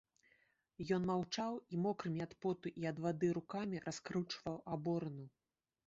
Ён маўчаў і мокрымі ад поту і ад вады рукамі раскручваў аборыну.